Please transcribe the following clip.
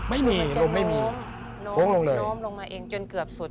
ไม่มีลมไม่มีโค้งลงเลย